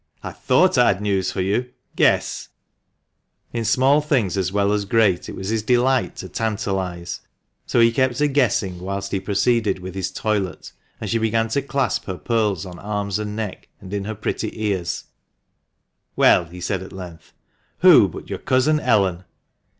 I thought I had news for you. Guess !" PO 402 THE MANCHESTER MAN. In small things as well as great it was his delight to tantalise, so he kept her guessing whilst he proceeded with his toilet, and she began to clasp her pearls on arms and neck, and in her pretty ears. "Well," said he at length, "who but your cousin Ellen!"